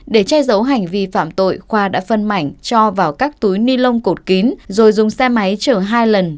để che giấu hành vi phạm tội khoa đã phân mảnh cho vào các túi ni lông cột kín rồi dùng xe máy chở hai lần